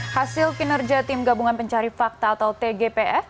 hasil kinerja tim gabungan pencari fakta atau tgpf